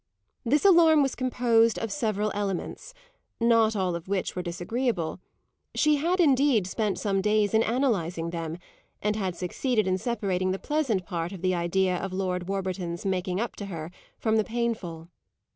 This alarm was composed of several elements, not all of which were disagreeable; she had indeed spent some days in analysing them and had succeeded in separating the pleasant part of the idea of Lord Warburton's "making up" to her from the painful.